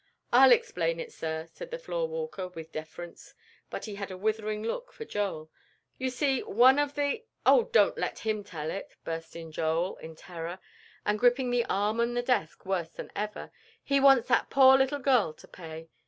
"I'll explain it, sir," began the floor walker, with deference, but he had a withering look for Joel. "You see, one of the " "Oh, don't let him tell it," burst in Joel, in terror, and gripping the arm on the desk worse than ever; "he wants that poor little girl to pay."